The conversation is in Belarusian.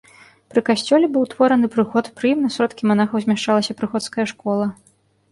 Пры касцёле быў утвораны прыход, пры ім на сродкі манахаў змяшчалася прыходская школа.